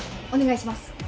お願いします。